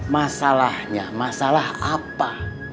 masalahnya masalah apa